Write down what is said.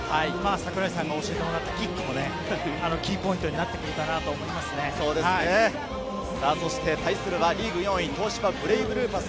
櫻井さんが教えてもらったキックもキーポイントになってくるかな対するはリーグ４位、東芝ブレイブルーパス